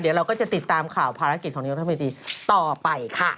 เดี๋ยวเราก็จะติดตามข่าวภารกิจของนายกรัฐมนตรีต่อไปค่ะ